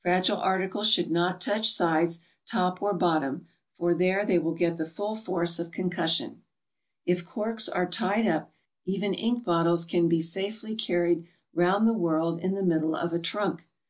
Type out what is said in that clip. Fragile articles should not touch sides, top or bottom, for there they will get the full force of concussion. If corks are tied up, even ink bottles can be safely carried 220 GOING ABROAD? round the world in the middle of a trunk.